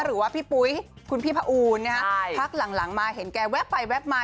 หรือว่าพี่ปุ๊ยคุณพี่พระอูนนะฮะพักหลังมาเห็นแกแว๊บไปแวบมา